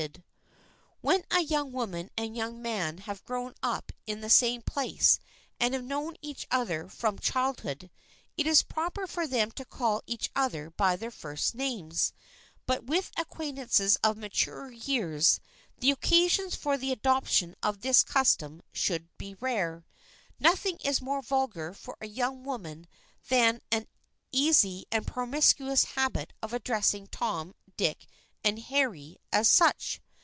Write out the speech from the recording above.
[Sidenote: THE USE OF FIRST NAMES] When a young woman and young man have grown up in the same place and have known each other from childhood, it is proper for them to call each other by their first names, but with acquaintances of maturer years, the occasions for the adoption of this custom should be rare. Nothing is more vulgar for a young woman than an easy and promiscuous habit of addressing Tom, Dick and Harry as such.